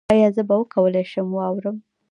ایا زه به وکولی شم واورم؟